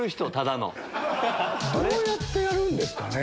どうやってやるんですかね？